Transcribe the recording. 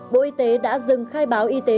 bộ y tế đã dừng khai báo y tế